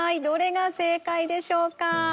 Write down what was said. どれが正解でしょうか？